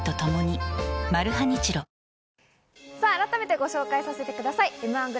改めてご紹介させてください。